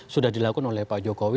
sudah dilakukan oleh pak jokowi